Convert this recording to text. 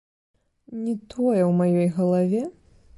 Не тое ў маёй галаве.